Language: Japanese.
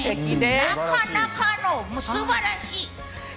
なかなかの素晴らしい！